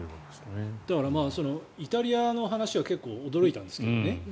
だからイタリアの話は結構驚いたんですけどね。